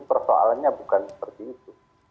persoalannya bukan seperti itu